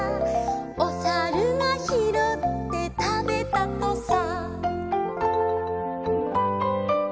「おさるがひろってたべたとさ」